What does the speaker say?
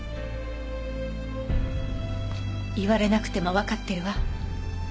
言われなくてもわかってるわ。